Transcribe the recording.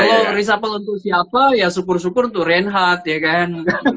kalau reshuffle untuk siapa ya syukur syukur tuh reinhardt ya kan